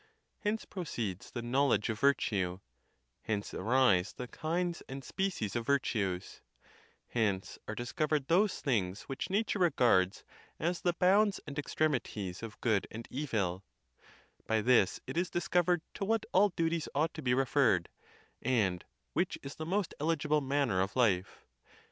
Hence proceeds the knowledge of virtue; hence arise the kinds and species of virtues; hence are discovered those things which nature regards as the bounds and extremities of good and evil; by this it is dis covered to what all duties ought to be referred, and which is the most eligible manner of life.